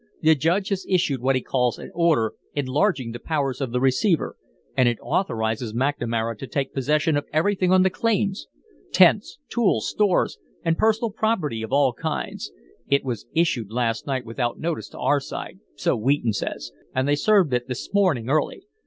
The Judge has issued what he calls an order enlarging the powers of the receiver, and it authorizes McNamara to take possession of everything on the claims tents, tools, stores, and personal property of all kinds. It was issued last night without notice to our side, so Wheaton says, and they served it this morning early.